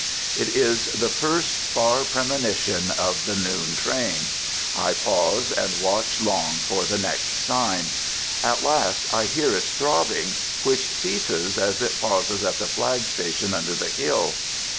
It is the first far premonition of the noon train; I pause and watch long for the next sign. At last I hear its throbbing, which ceases as it pauses at the flag station under the hill.